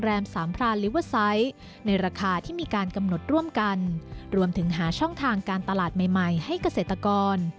สามพรานลิเวอร์ไซต์ในราคาที่มีการกำหนดร่วมกันรวมถึงหาช่องทางการตลาดใหม่ใหม่ให้เกษตรกร